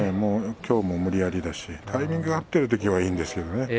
きょうも無理やりだしタイミングが合っているときはいいんですけどね。